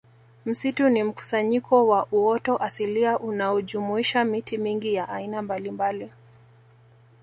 Msitu ni mkusanyiko wa uoto asilia unaojumuisha miti mingi ya aina mbalimbali